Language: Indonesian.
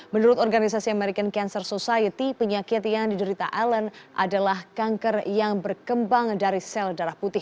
menurut organisasi american cancer society penyakit yang diderita ellen adalah kanker yang berkembang dari sel darah putih